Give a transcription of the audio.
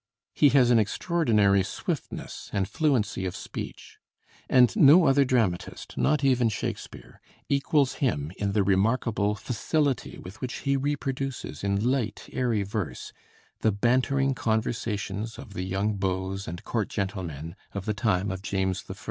He has an extraordinary swiftness and fluency of speech; and no other dramatist, not even Shakespeare, equals him in the remarkable facility with which he reproduces in light, airy verse the bantering conversations of the young beaux and court gentlemen of the time of James I.